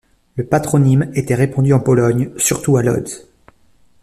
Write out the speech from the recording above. Le patronyme était répandu en Pologne, surtout à Łódź.